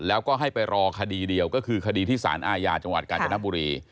แล้วก็ให้ไปรอคดีเดียวก็คือคดีที่สารอาญาจังหวัดกาญจนบุรี